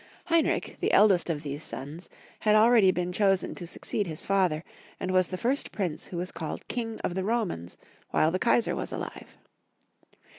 Heinrich, the eldest of these sons, had already been chosen to succeed liis father, and was the first prince who was called King of the Romans, while the Kaisar was alive.